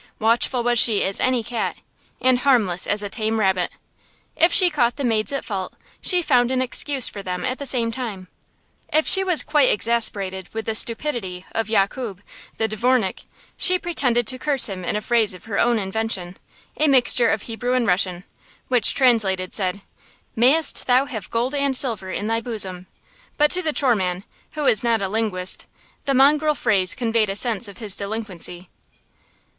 Watchful was she as any cat and harmless as a tame rabbit. If she caught the maids at fault, she found an excuse for them at the same time. If she was quite exasperated with the stupidity of Yakub, the dvornik, she pretended to curse him in a phrase of her own invention, a mixture of Hebrew and Russian, which, translated, said, "Mayst thou have gold and silver in thy bosom"; but to the choreman, who was not a linguist, the mongrel phrase conveyed a sense of his delinquency.